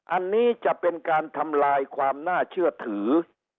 อันนี้จะเป็นการทำลายความน่าเชื่อถือ